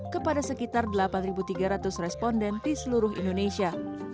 kepada sekitar delapan tiga ratus responden di seluruh indonesia